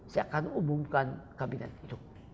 saya akan umumkan kabinet